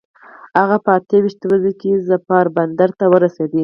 هغه په اته ویشت ورځي کې ظفار بندر ته ورسېد.